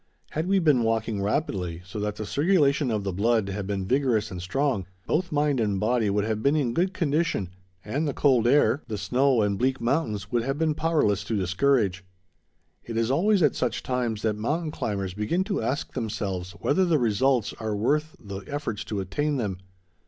Had we been walking rapidly, so that the circulation of the blood had been vigorous and strong, both mind and body would have been in good condition, and the cold air, the snow, and bleak mountains would have been powerless to discourage. It is always at such times that mountain climbers begin to ask themselves whether the results are worth the efforts to attain them.